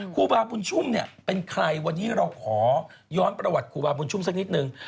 ครูบาบุญชุ่มเนี่ยเป็นใครวันนี้เราขอย้อนประวัติครูบาบุญชุมสักนิดนึง